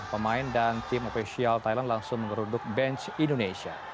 pemain dan tim ofisial thailand langsung mengeruduk bench indonesia